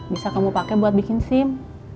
bisa kamu pakai buat bikin sim